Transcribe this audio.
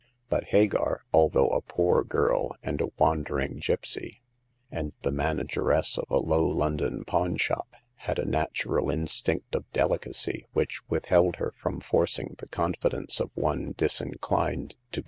But Hagar, although a poor girl, and ^ wandering gipsy, and the manageress of a low London pawn shop, had a natural in stinct of delicacy which withheld her from forcing the confidencG of one disinclined to give it.